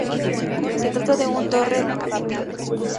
Se trata de una torre de base rectangular.